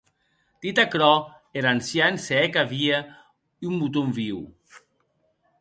Dit aquerò, er ancian se hec a vier un moton viu.